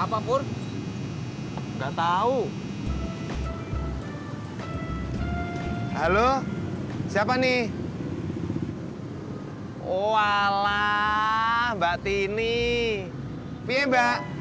ya ya udahlah